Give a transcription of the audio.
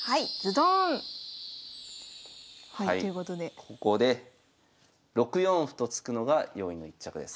ここで６四歩と突くのが用意の一着です。